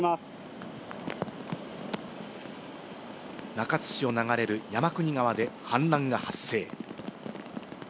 中津市を流れる山国川で氾濫が発生。